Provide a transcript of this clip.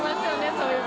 そういうの。